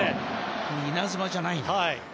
イナズマじゃないよね。